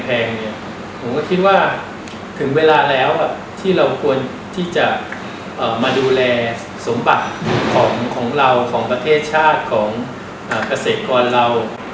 ผมก็คิดว่าถึงเวลาแล้วที่เราควรที่จะมาดูแลสมบัติของเราของประเทศชาติของเกษตรกรเรา